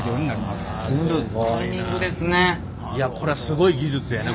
いやこれはすごい技術やね。